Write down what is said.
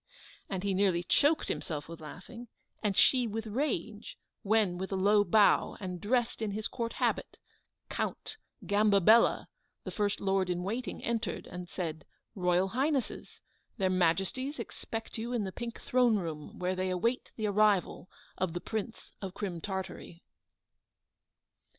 And he nearly choked himself with laughing, and she with rage; when with a low bow, and dressed in his Court habit, Count Gambabella, the first lord in waiting, entered and said, "Royal Highness! Their Majesties expect you in the Pink Throne room, where they await the arrival of the Prince of CRIM TARTARY."